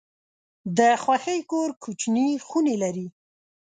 د خوښۍ کور کوچني خونې لري.